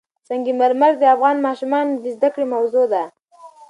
سنگ مرمر د افغان ماشومانو د زده کړې موضوع ده.